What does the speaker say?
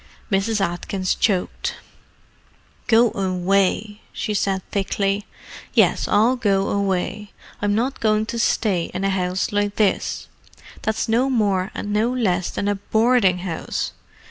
Mrs. Atkins choked. "Go away!" she said thickly. "Yes, I'll go away. I'm not going to stay in a house like this, that's no more and no less than a boarding house!